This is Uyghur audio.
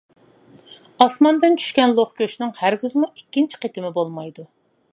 ئاسماندىن چۈشكەن لوق گۆشنىڭ ھەرگىزمۇ ئىككىنچى قېتىمى بولمايدۇ.